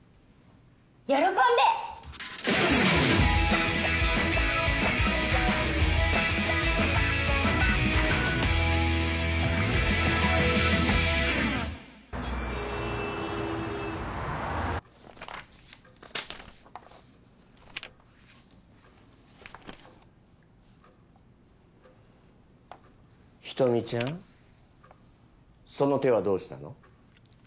喜んで人見ちゃんその手はどうしたの？